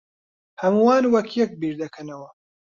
ھەمووان وەک یەک بیردەکەنەوە.